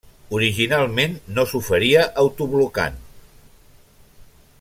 Originalment no s’oferia autoblocant.